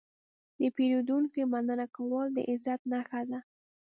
د پیرودونکي مننه کول د عزت نښه ده.